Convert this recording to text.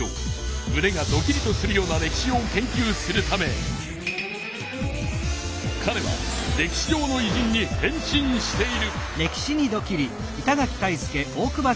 むねがドキリとするような歴史を研究するためかれは歴史上のいじんに変身している。